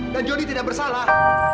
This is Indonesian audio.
dan jody tidak bersalah